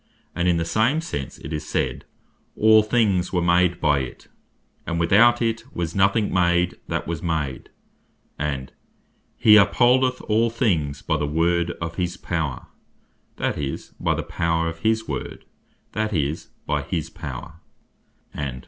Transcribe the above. And in the same sense it is said (John 1.3.) "All things were made by it, and without it was nothing made that was made; And (Heb. 1.3.) "He upholdeth all things by the word of his Power;" that is, by the Power of his Word; that is, by his Power; and (Heb.